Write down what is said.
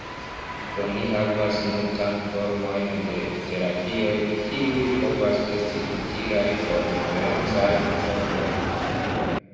Oni havas multan formojn de terapioj, kiuj povas esti utilaj por diferencaj homoj.